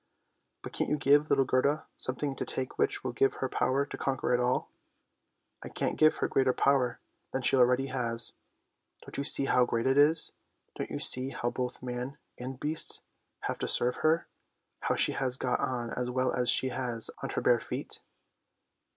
"" But can't you give little Gerda something to take which will give her power to conquer it all? " THE SNOW QUEEN 211 " I can't give her greater power than she already has. Don't you see how great it is? Don't you see how both man and beast have to serve her? How she has got on as well as she has on her bare feet?